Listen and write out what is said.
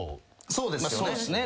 ・そうですよね。